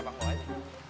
bapak siapa ini